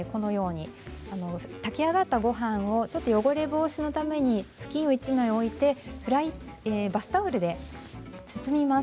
炊き上がったごはんを汚れ防止のために布巾を１枚敷いてバスタオルで包みます。